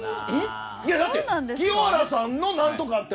だって、清原さんの何とかって。